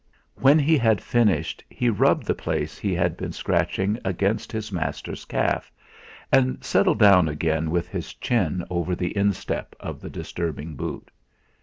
When he had finished he rubbed the place he had been scratching against his master's calf, and settled down again with his chin over the instep of the disturbing boot.